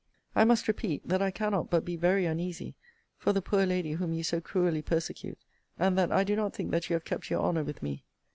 I must repeat, That I cannot but be very uneasy for the poor lady whom you so cruelly persecute; and that I do not think that you have kept your honour with me.